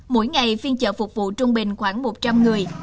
mỗi ngày phiên chợ phục vụ trung bình khoảng một trăm linh người